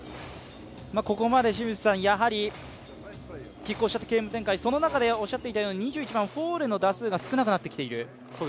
ここまで清水さん、やはりきっ抗したゲーム展開、その中でおっしゃっていたとおり２１番、フォーレの打数が少なくなってきている。